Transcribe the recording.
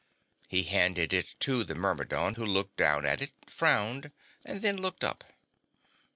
He handed it to the Myrmidon, who looked down at it, frowned, and then looked up.